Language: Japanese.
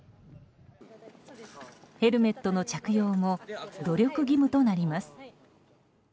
ヘルメットの着用も努力義務となります。